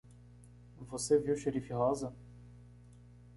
Você viu xerife rosa?